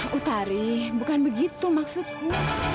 betari bukan begitu maksudku